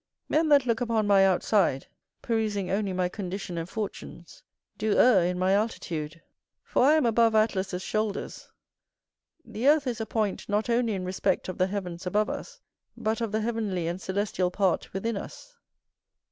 Men that look upon my outside, perusing only my condition and fortunes, do err in my altitude; for I am above Atlas's shoulders. The earth is a point not only in respect of the heavens above us, but of the heavenly and celestial part within us.